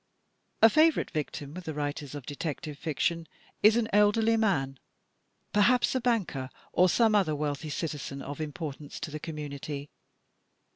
A favorite victim with the writers of Detective Fiction is an elderly man, perhaps a banker, or some other wealthy citizen of importance to the community.